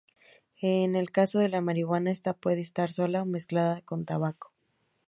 En el caso de la marihuana esta puede estar sola o mezclada con tabaco.